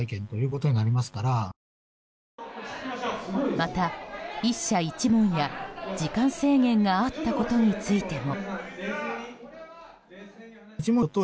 また１社１問や、時間制限があったことについても。